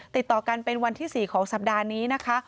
ติดต่อกันเป็นวันที่๔ของสัปดาห์นี้นะคะ